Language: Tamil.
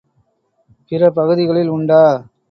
பிற பகுதிகளில் உண்டா?